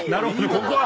ここは。